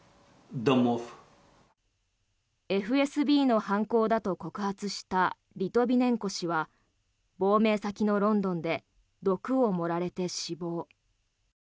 ＦＳＢの犯行だと告発したリトビネンコ氏は亡命先のロンドンで毒を盛られて死亡。